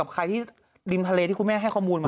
ใครที่ริมทะเลที่คุณแม่ให้ข้อมูลมา